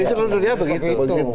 di seluruh dunia begitu